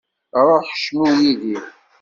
Ruḥ, cnu yid-i.